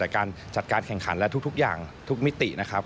การจัดการแข่งขันและทุกอย่างทุกมิตินะครับ